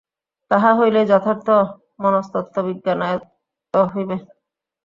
তাহা হইলেই যথার্থ মনস্তত্ত্ববিজ্ঞান আয়ত্ত হইবে।